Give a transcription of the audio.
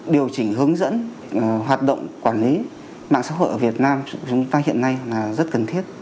điều chỉnh hướng dẫn hoạt động quản lý mạng xã hội ở việt nam chúng ta hiện nay là rất cần thiết